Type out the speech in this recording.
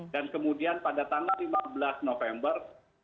dan kemudian pada tanggal lima belas november